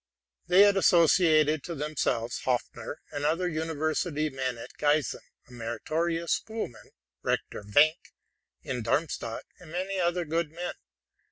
They had associated to themselves Hopfner, and other university men in Giessen, a meritorious schoolman, Rector Wenck in Darmstadt, and many other good men.